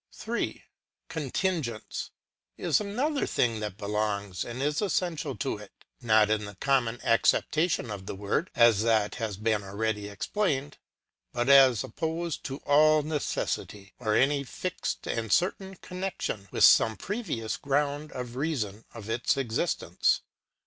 3. Con tingence is another thing that belongs and is essential to it ; not in the common acceptation of the word, as that has been already explained, but as opposed to all necessity, or any fixed and certain connection with some previous ground or reason of its existence.